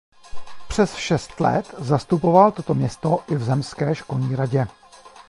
Přes šest let zastupoval toto město i v zemské školní radě.